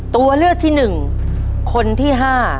ตัวเลือกที่๑คนที่๕